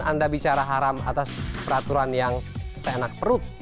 anda bicara haram atas peraturan yang seenak perut